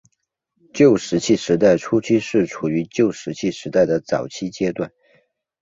旧石器时代初期是处于旧石器时代的早期阶段。